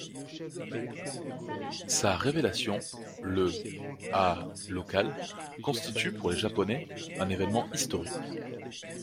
Sa révélation, le à locale, constitue pour les Japonais un événement historique.